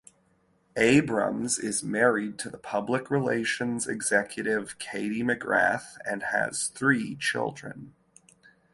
Abrams is married to public relations executive Katie McGrath and has three children.